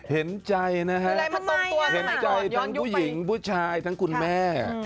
เห็นใจทั้งผู้หญิงผู้ชายทั้งคุณแม่